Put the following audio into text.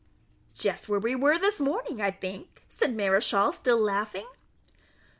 "Just where we were this morning, I think," said Mareschal, still laughing.